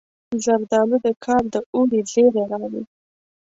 زردالو د کال د اوړي زیری راوړي.